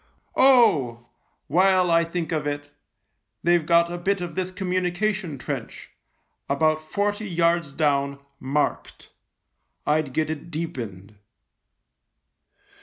Oh ! while I think of it, they've got a bit of this communication trench, about forty yards down, marked. I'd get it deepened."